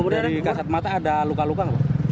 dari kasat mata ada luka luka